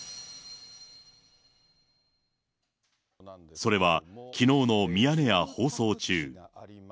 それは、きのうのミヤネ屋放送中。